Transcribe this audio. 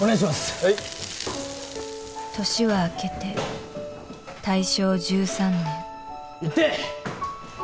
はい年は明けて大正１３年行って！